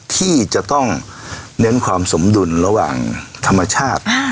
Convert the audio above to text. ที่จะต้องเน้นความสมดุลระหว่างธรรมชาติ